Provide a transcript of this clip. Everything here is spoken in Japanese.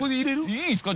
いいですか？